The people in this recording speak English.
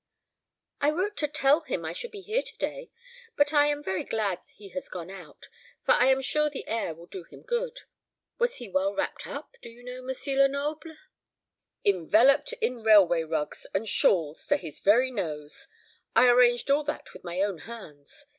"I wrote to tell him I should be here to day, but I am very glad he has gone out, for I am sure the air will do him good. Was he well wrapped up, do you know, M. Lenoble?" "Enveloped in railway rugs and shawls to his very nose. I arranged all that with my own hands.